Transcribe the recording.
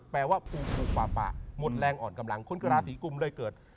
แปลว่าปลูกปลูกปลาปลาหมดแรงอ่อนกำลังคนคือราศรีกุมเลยเกิด